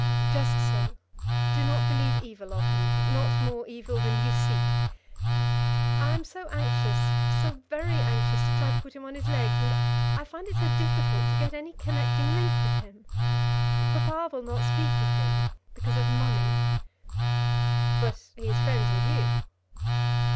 "Just so; do not believe evil of him, not more evil than you see. I am so anxious, so very anxious to try to put him on his legs, and I find it so difficult to get any connecting link with him. Papa will not speak with him, because of money." "But he is friends with you."